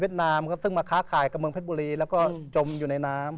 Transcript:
นามครับซึ่งมาค้าขายกับเมืองเพชรบุรีแล้วก็จมอยู่ในน้ำ